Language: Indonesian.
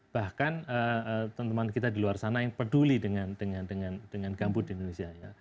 bahkan teman teman kita di luar sana yang peduli dengan gambut di indonesia ya